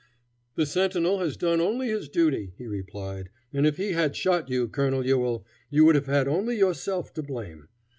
"The sentinel has done only his duty," he replied, "and if he had shot you, Colonel Ewell, you would have had only yourself to blame.